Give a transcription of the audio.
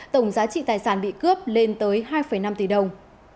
tổng giá trị tài sản bị cướp lên tới hai năm tỷ đồng